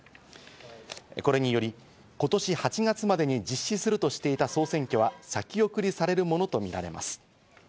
これにより、今年８月までに実施するとしていた総選挙は先送りされるものとみられます。